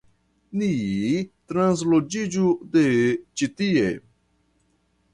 Ni transloĝiĝu de ĉi tie.